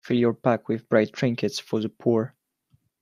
Fill your pack with bright trinkets for the poor.